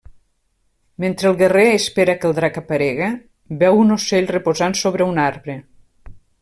Mentre el guerrer espera que el drac aparega, veu un ocell reposant sobre un arbre.